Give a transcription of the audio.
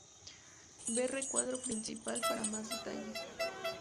Ver recuadro principal para más detalles.